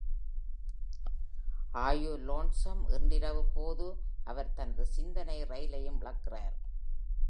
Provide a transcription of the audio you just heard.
"R you lonesome இன்றிரவு' போது அவர் தனது சிந்தனை ரயிலையும் இழக்கிறார்.